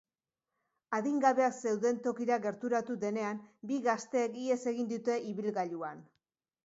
Adingabeak zeuden tokira gerturatu denean, bi gazteek ihes egin dute, ibilgailuan.